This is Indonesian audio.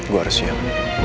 gue harus siap